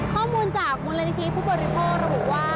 ข้อมูลจากมูลนิธิผู้บริโภคระบุว่า